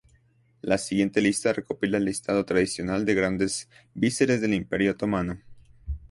La siguiente lista recopila el listado tradicional de grandes visires del Imperio otomano.